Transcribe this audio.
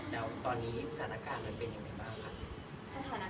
แล้วตอนนี้สถานการณ์มันเป็นยังไงบ้างคะ